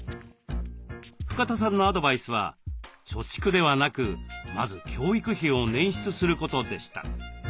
深田さんのアドバイスは貯蓄ではなくまず教育費を捻出することでした。